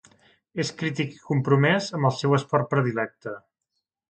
És crític i compromès amb el seu esport predilecte.